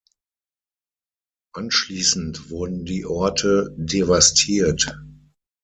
Anschließend wurden die Orte devastiert.